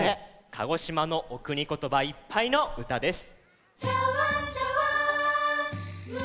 鹿児島のおくにことばいっぱいのうたです。